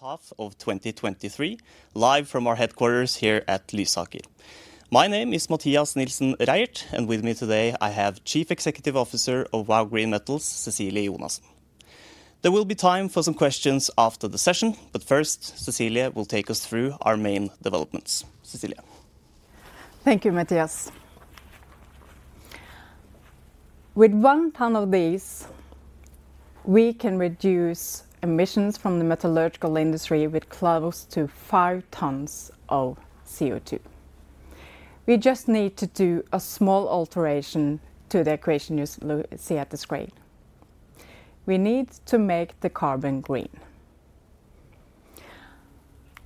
half of 2023, live from our headquarters here at Lysaker. My name is Mathias Nilsen Reierth, and with me today, I have Chief Executive Officer of Vow Green Metals, Cecilie Jonassen. There will be time for some questions after the session, but first, Cecilie will take us through our main developments. Cecilie? Thank you, Mathias. With one ton of these, we can reduce emissions from the metallurgical industry with close to five tons of CO2. We just need to do a small alteration to the equation you see at the screen. We need to make the carbon green.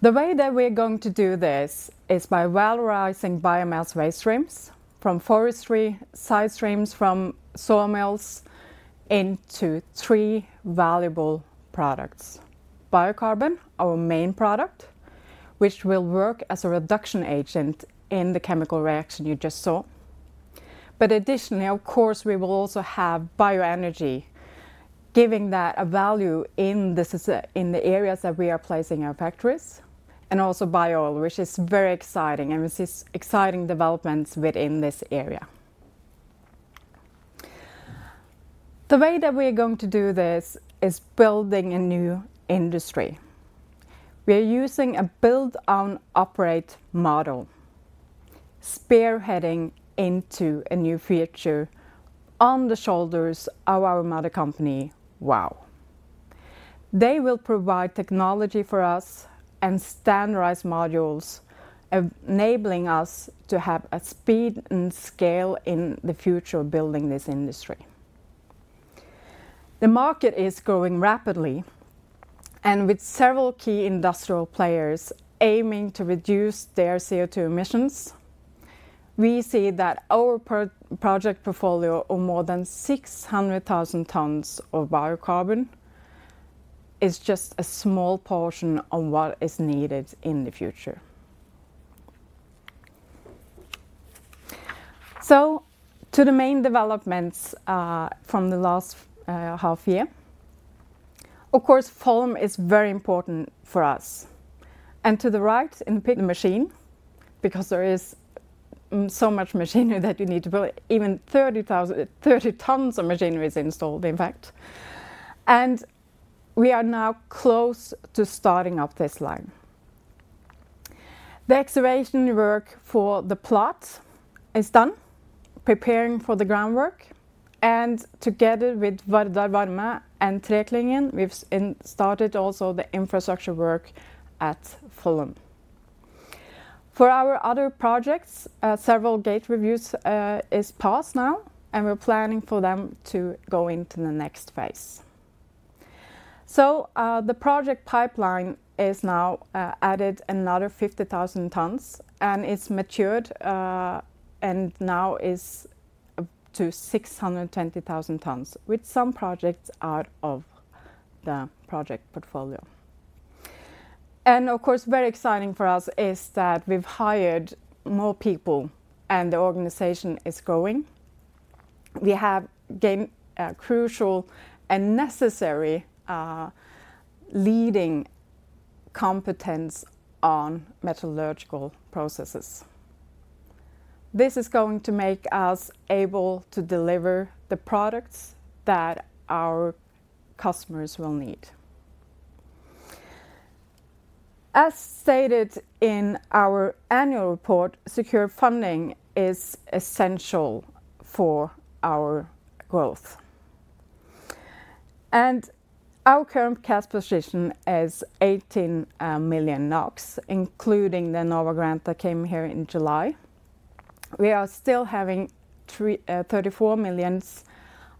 The way that we're going to do this is by valorizing biomass waste streams from forestry, side streams from sawmills, into three valuable products: biocarbon, our main product, which will work as a reduction agent in the chemical reaction you just saw. But additionally, of course, we will also have bioenergy, giving that a value in this, in the areas that we are placing our factories, and also bio-oil, which is very exciting, and this is exciting developments within this area. The way that we are going to do this is building a new industry. We are using a build-own-operate model, spearheading into a new future on the shoulders of our mother company, Vow. They will provide technology for us and standardize modules, enabling us to have a speed and scale in the future of building this industry. The market is growing rapidly, and with several key industrial players aiming to reduce their CO2 emissions, we see that our project portfolio of more than 600,000 tons of biocarbon is just a small portion of what is needed in the future. So to the main developments from the last half year. Of course, Follum is very important for us, and to the right in the machine, because there is so much machinery that you need to build, even 30,000 tons of machinery is installed, in fact. And we are now close to starting up this line. The excavation work for the plot is done, preparing for the groundwork, and together with Vardar Varme and Treklyngen, we've started also the infrastructure work at Follum. For our other projects, several gate reviews is passed now, and we're planning for them to go into the next phase. So, the project pipeline is now added another 50,000 tons, and it's matured, and now is up to 620,000 tons, with some projects out of the project portfolio. And of course, very exciting for us is that we've hired more people, and the organization is growing. We have gained crucial and necessary leading competence on metallurgical processes. This is going to make us able to deliver the products that our customers will need. As stated in our annual report, secure funding is essential for our growth. Our current cash position is 18 million NOK, including the Enova grant that came here in July. We are still having 3.34 million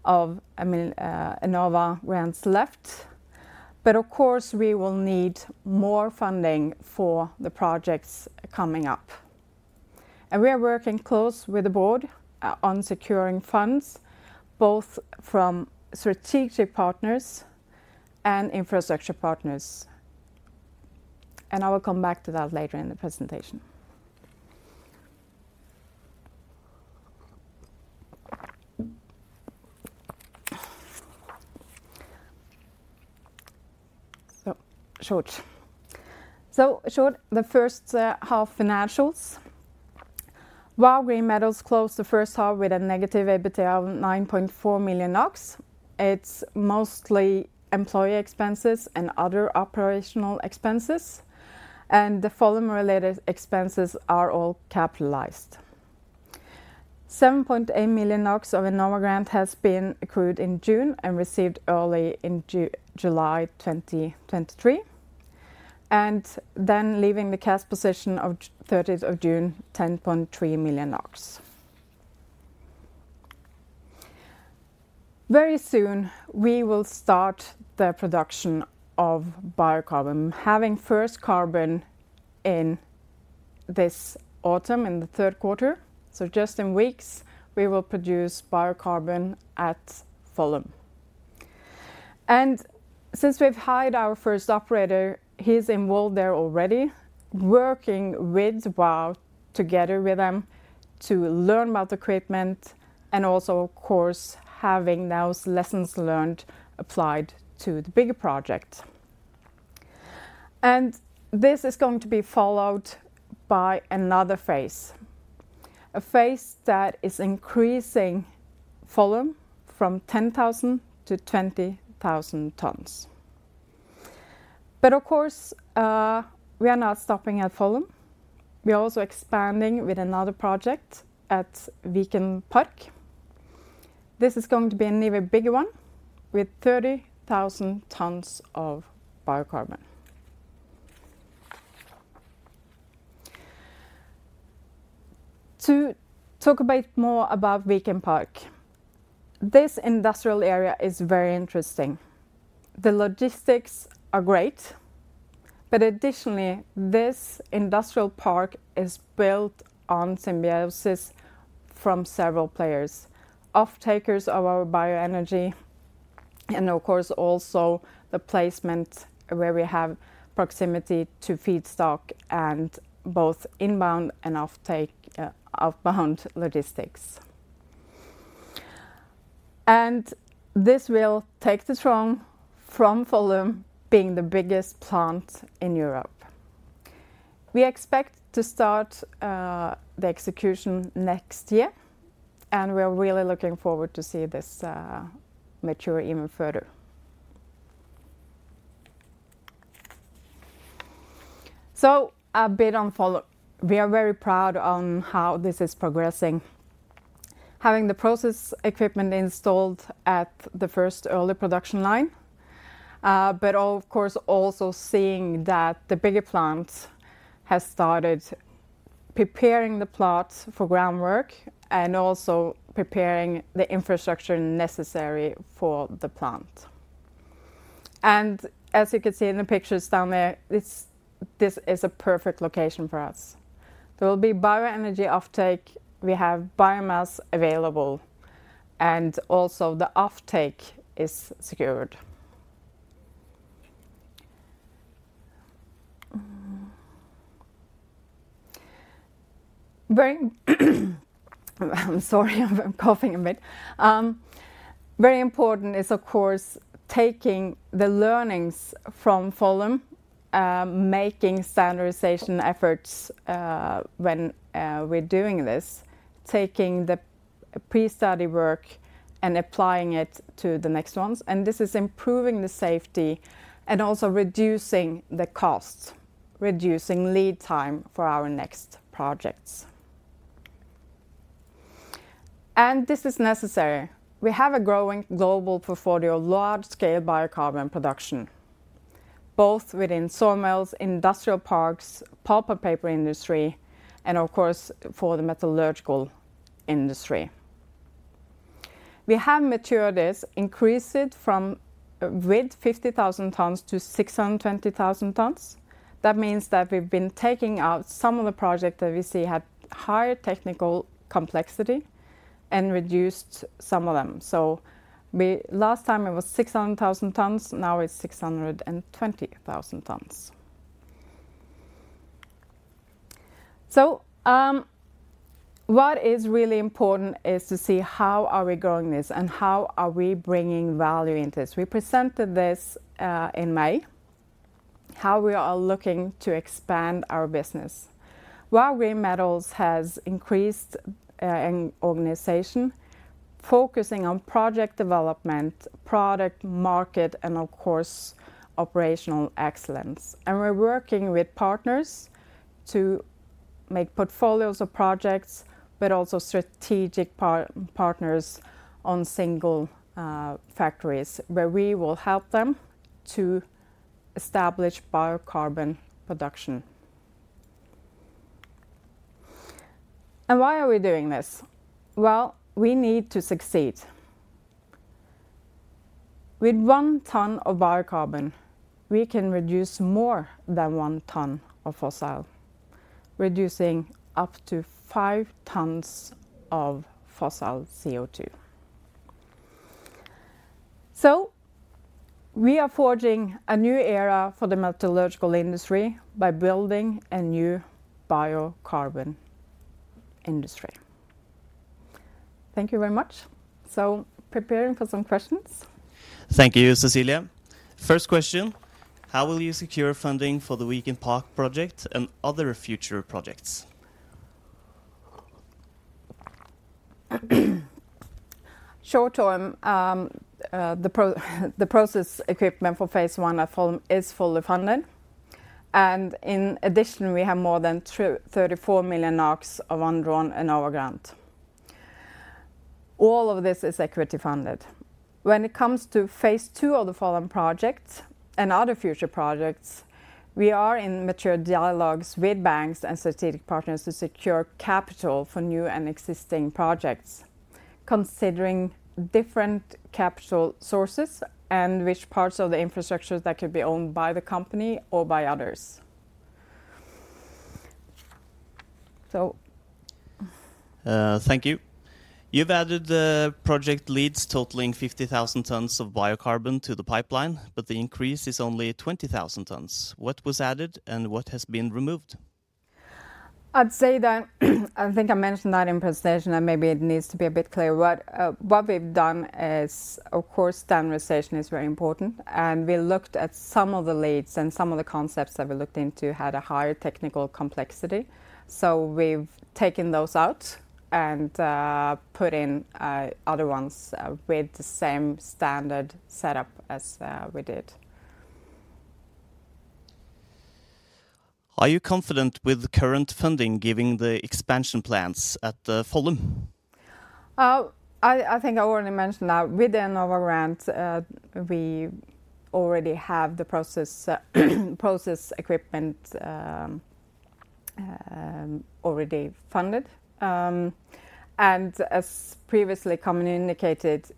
of Enova grants left, but of course, we will need more funding for the projects coming up. We are working close with the board on securing funds, both from strategic partners and infrastructure partners, and I will come back to that later in the presentation. So short. So short, the first half financials. Vow Green Metals closed the first half with a negative EBITDA of 9.4 million. It's mostly employee expenses and other operational expenses, and the Follum-related expenses are all capitalized. 7.8 million NOK of Enova grant has been accrued in June and received early in July 2023, and then leaving the cash position of thirtieth of June, 10.3 million NOK. Very soon, we will start the production of biocarbon, having first carbon in this autumn, in the third quarter, so just in weeks, we will produce biocarbon at Follum. And since we've hired our first operator, he's involved there already, working with Vow, together with them, to learn about the equipment and also, of course, having those lessons learned applied to the bigger project. And this is going to be followed by another phase, a phase that is increasing volume from 10,000 to 20,000 tons. But of course, we are not stopping at volume. We are also expanding with another project at Viken Park. This is going to be an even bigger one, with 30,000 tons of Biocarbon. To talk a bit more about Viken Park, this industrial area is very interesting. The logistics are great, but additionally, this industrial park is built on symbiosis from several players, off-takers of our Bioenergy, and of course, also the placement where we have proximity to feedstock and both inbound and offtake, outbound logistics. And this will take the throne from Follum being the biggest plant in Europe. We expect to start, the execution next year, and we are really looking forward to see this, mature even further. So a bit on Follum. We are very proud on how this is progressing, having the process equipment installed at the first early production line, but of course, also seeing that the bigger plant has started preparing the plots for groundwork and also preparing the infrastructure necessary for the plant. And as you can see in the pictures down there, this is a perfect location for us. There will be bioenergy offtake. We have biomass available, and also the offtake is secured. Very important is, of course, taking the learnings from Follum, making standardization efforts when we're doing this, taking the pre-study work and applying it to the next ones, and this is improving the safety and also reducing the costs, reducing lead time for our next projects. And this is necessary. We have a growing global portfolio of large-scale Biocarbon production, both within sawmills, industrial parks, pulp and paper industry, and of course, for the metallurgical industry. We have matured this, increased it from with 50,000 tons to 620,000 tons. That means that we've been taking out some of the project that we see had higher technical complexity and reduced some of them. So we last time it was 600,000 tons, now it's 620,000 tons. So, what is really important is to see how are we growing this and how are we bringing value into this. We presented this in May, how we are looking to expand our business. Vow Green Metals has increased in organization, focusing on project development, product market, and of course, operational excellence. And we're working with partners to make portfolios of projects, but also strategic partners on single factories, where we will help them to establish biocarbon production. And why are we doing this? Well, we need to succeed. With one ton of biocarbon, we can reduce more than one ton of fossil, reducing up to five tons of fossil CO2. So we are forging a new era for the metallurgical industry by building a new biocarbon industry. Thank you very much. So preparing for some questions. Thank you, Cecilie. First question: How will you secure funding for the Viken Park project and other future projects? Short term, the process equipment for phase one at Follum is fully funded, and in addition, we have more than 34 million of undrawn Enova grant. All of this is equity funded. When it comes to phase two of the Follum project and other future projects, we are in mature dialogues with banks and strategic partners to secure capital for new and existing projects, considering different capital sources and which parts of the infrastructure that could be owned by the company or by others. So... Thank you. You've added the project leads, totaling 50,000 tons of Biocarbon to the pipeline, but the increase is only 20,000 tons. What was added and what has been removed?... I'd say that. I think I mentioned that in presentation, and maybe it needs to be a bit clear. What we've done is, of course, standardization is very important, and we looked at some of the leads and some of the concepts that we looked into had a higher technical complexity. So we've taken those out and put in other ones with the same standard setup as we did. Are you confident with the current funding, given the expansion plans at Follum? I think I already mentioned that within our grant, we already have the process equipment already funded. And as previously commonly indicated,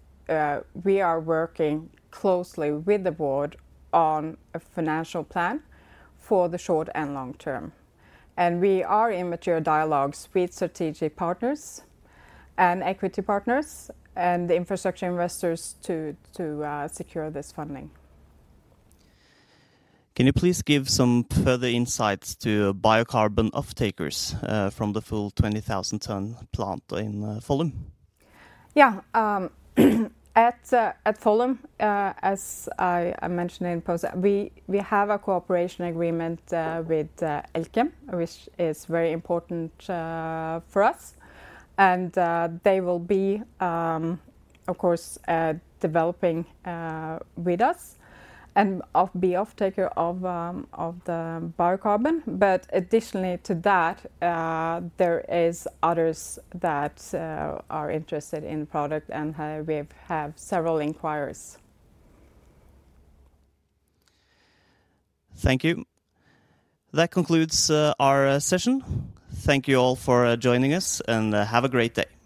we are working closely with the board on a financial plan for the short and long term. And we are in mature dialogues with strategic partners and equity partners and infrastructure investors to secure this funding. Can you please give some further insights to biocarbon off-takers from the full 20,000-ton plant in Follum? Yeah, at Follum, as I mentioned in presentation, we have a cooperation agreement with Elkem, which is very important for us. And they will be, of course, developing with us and be off-taker of the biocarbon. But additionally to that, there is others that are interested in product, and we've have several inquirers. Thank you. That concludes our session. Thank you all for joining us, and have a great day!